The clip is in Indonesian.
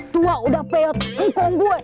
tua udah peot hukum gua